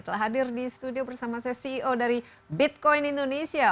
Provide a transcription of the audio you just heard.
telah hadir di studio bersama saya ceo dari bitcoin indonesia